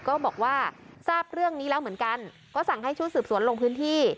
ก็บอกว่าทราบเรื่องนี้แล้วเหมือนกันก็สั่งให้ชุดสืบสวนลงพื้นที่